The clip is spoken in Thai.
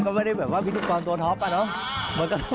สวัสดีครับ